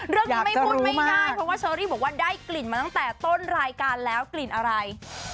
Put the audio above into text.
เรื่องนี้ไม่พูดไม่ได้เพราะว่าเชอรี่บอกว่าได้กลิ่นมาตั้งแต่ต้นรายการแล้วกลิ่นอะไร